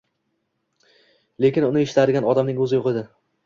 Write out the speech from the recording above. Lekin uni eshitadigan odamning oʻzi yoʻq edi